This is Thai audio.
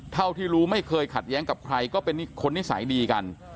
เท่าที่รู้ไม่เคยขัดแย้งกับใครก็เป็นคนนิสัยดีกัน